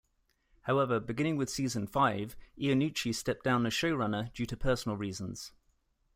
However, beginning with season five, Iannucci stepped down as showrunner due to "personal reasons".